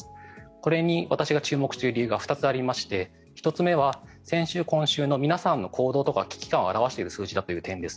これに私が注目している理由が２つありまして１つ目は先週、今週の皆さんの行動とか危機感を表している数値です。